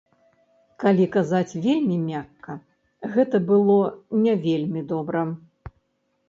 Калі казаць вельмі мякка, гэта было не вельмі добра.